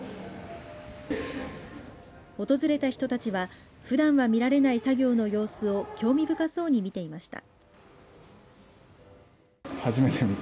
訪れた人たちはふだんは見られない作業の様子を興味深そうに見ていました。